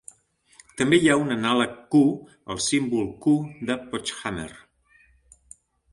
També hi ha un anàleg "q", el símbol "q" de Pochhammer.